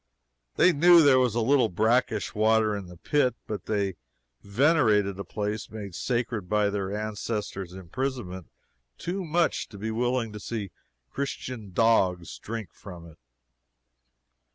They knew there was a little brackish water in the pit, but they venerated a place made sacred by their ancestor's imprisonment too much to be willing to see Christian dogs drink from it.